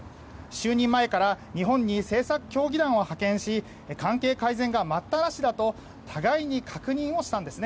就任前から日本に政策協議団を派遣し関係改善が待ったなしだと互いに確認をしたんです。